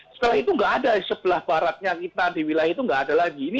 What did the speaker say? setelah itu tidak ada di sebelah baratnya kita di wilayah itu tidak ada lagi